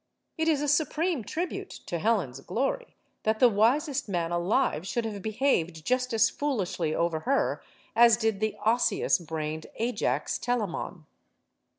It is a supreme tribute to Helen's glory that the wisest man alive should have behaved just as foolishly over her as did the osseous brained Ajax Telemon.